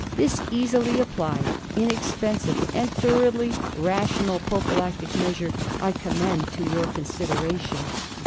This easily applied, inexpensive, and thoroughly rational prophylactic measure I commend to your consideration.